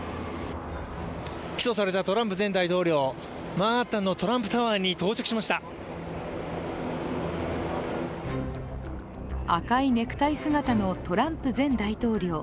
起訴されたトランプ前大統領、マンハッタンのトランプタワーに到着しました赤いネクタイ姿のトランプ前大統領。